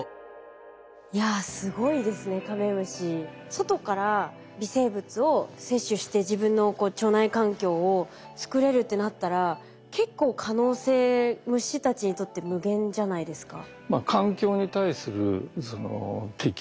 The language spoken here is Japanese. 外から微生物を摂取して自分の腸内環境を作れるってなったら結構可能性虫たちにとって無限じゃないですか？